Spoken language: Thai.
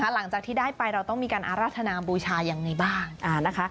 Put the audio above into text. หลังจากที่ได้ไปเราต้องมีการอาราธนาบูชายังไงบ้างนะคะ